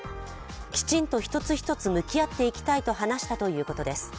きちんと一つ一つ向き合っていきたいと話したということです。